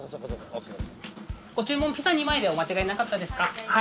ご注文ピザ２枚でお間違いなかったですか。